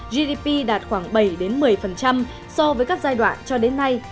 gdp đạt khoảng bảy một mươi so với các giai đoạn cho đến nay